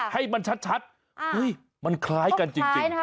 ให้มันชัดมันคล้ายกันจริง